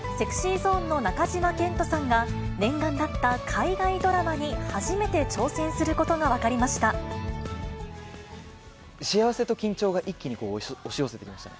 ＳｅｘｙＺｏｎｅの中島健人さんが、念願だった海外ドラマに初めて挑幸せと緊張が一気にこう、押し寄せてきました。